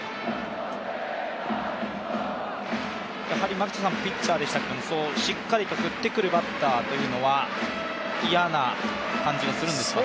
牧田さんピッチャーでしたけれども、しっかりと振ってくるバッターというのは嫌な感じはするんですか？